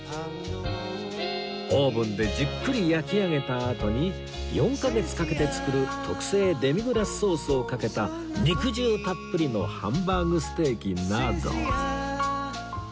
オーブンでじっくり焼き上げたあとに４カ月かけて作る特製デミグラスソースをかけた肉汁たっぷりのハンバーグステーキなど